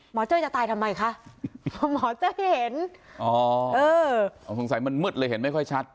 เจ้ยจะตายทำไมคะหมอเจ้ยเห็นอ๋อเอออ๋อสงสัยมันมืดเลยเห็นไม่ค่อยชัด